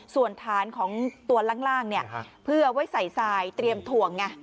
ส่วนฐานของตัวล่างเพื่อไว้ใส่ทรายเตรียมถ่วงไง